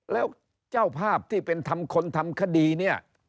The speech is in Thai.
แล้วเจ้าภาพที่เป็นคนทำคดีอยู่ในกรรมมือใคร